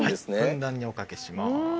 ふんだんにおかけします。